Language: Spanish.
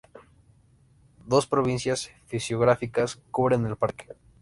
Dos provincias fisiográficas cubren el parque.